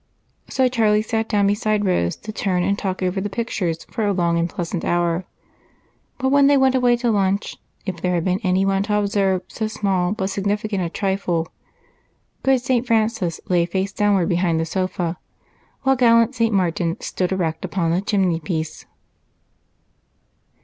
So Charlie sat down beside Rose to turn and talk over the pictures for a long and pleasant hour. But when they went away to lunch, if there had been anyone to observe so small but significant a trifle, good St. Francis lay face downward behind the sofa, while gallant St. Martin stood erect upon the chimneypiece.